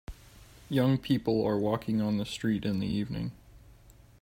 Young people are walking on the street in the evening.